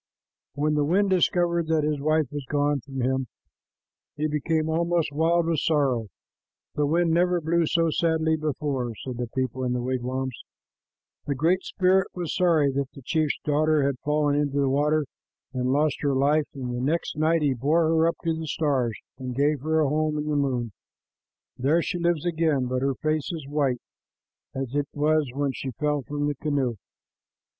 When the wind discovered that his wife was gone from him, he became almost wild with sorrow. "The wind never blew so sadly before," said the people in the wigwams. [Illustration: "HERE IS MY HAND"] The Great Spirit was sorry that the chief's daughter had fallen into the water and lost her life, and the next night he bore her up to the stars and gave her a home in the moon. There she lives again, but her face is white, as it was when she fell from the canoe.